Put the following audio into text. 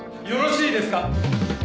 よろしいですか？